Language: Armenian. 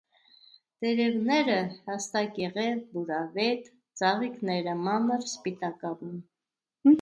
Տերևները՝ հաստակեղև, բուրավետ, ծաղիկները՝ մանր, սպիտակավուն։